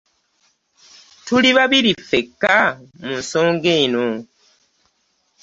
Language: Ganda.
Tuli babiri ffekka mu nsonga eno.